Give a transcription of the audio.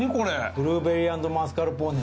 ブルーベリーアンドマスカルポーネ。